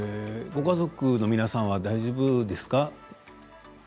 ご家族の皆さんは大丈夫ですか？